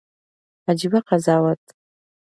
عجيبه قضاوت